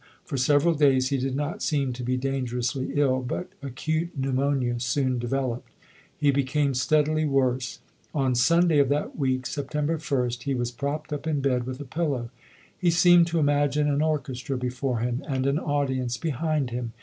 For several days, he did not seem to be dangerously ill, but acute pneumonia soon developed. He became steadily worse. On Sunday of that week, Sep tember 1st, he was propped up in bed with a pillow. He seemed to imagine an orchestra before him and an audience behind him.